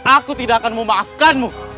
aku tidak akan memaafkanmu